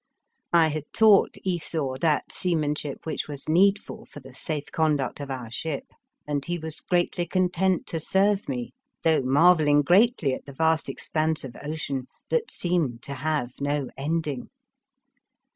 I had taught Esau that seamanship which was needful for the safe conduct of our ship, and he was greatly content to serve me, though marvelling greatly at the vast expanse of ocean that seemed to have no ending.